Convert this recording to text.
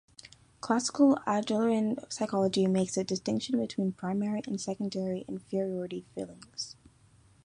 Classical Adlerian psychology makes a distinction between primary and secondary inferiority feelings.